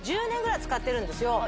１０年ぐらい使ってるんですよ